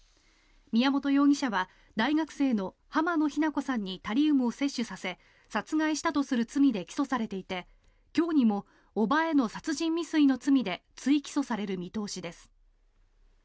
宮本容疑者は大学生の浜野日菜子さんにタリウムを摂取させ殺害したとする罪で起訴されていて今日にも叔母への殺人未遂の罪で追起訴される見通しです。